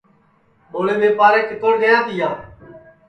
ٻوڑے ٻیپارے کا کِتوڑ گیا تیا